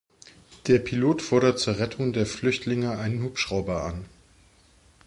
Der Pilot fordert zur Rettung der Flüchtlinge einen Hubschrauber an.